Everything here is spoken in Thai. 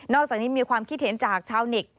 อกจากนี้มีความคิดเห็นจากชาวเน็ต